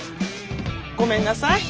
ごめんなさい